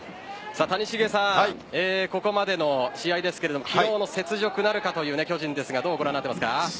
谷繁さん、ここまでの試合ですが昨日の雪辱なるかという巨人ですがどうご覧になっていますか？